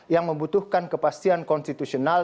yang membutuhkan kepastian konstitusional